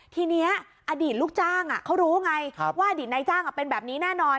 ทีนี้อดีตลูกจ้างเขารู้ไงว่าอดีตนายจ้างเป็นแบบนี้แน่นอน